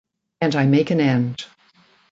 And I make an end.